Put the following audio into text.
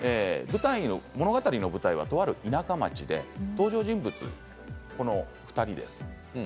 物語の舞台は、とある田舎町で登場人物、この２人です。